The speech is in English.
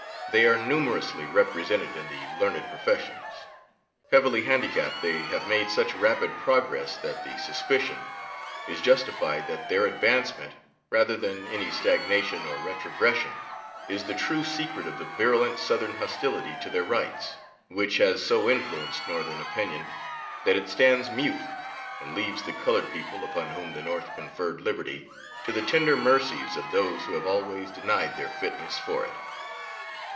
They are numerously represented in the learned professions. Heavily handicapped, they have made such rapid progress that the suspicion is justified that their advancement, rather than any stagnation or retrogression, is the true secret of the virulent Southern hostility to their rights, which has so influenced Northern opinion that it stands mute, and leaves the colored people, upon whom the North conferred liberty, to the tender mercies of those who have always denied their fitness for it.